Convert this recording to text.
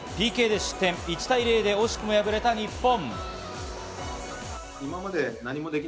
ＰＫで失点、１対０で惜しくも敗れた日本。